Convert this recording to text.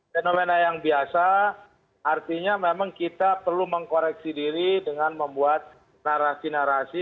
fenomena yang biasa artinya memang kita perlu mengkoreksi diri dengan membuat narasi narasi